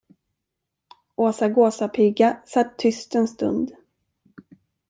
Åsa gåsapiga satt tyst en stund.